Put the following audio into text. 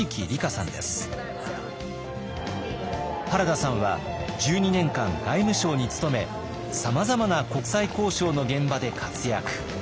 原田さんは１２年間外務省に勤めさまざまな国際交渉の現場で活躍。